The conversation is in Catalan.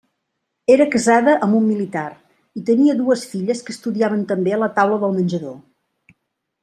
Era casada amb un militar i tenia dues filles que estudiaven també a la taula del menjador.